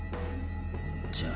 じゃあ。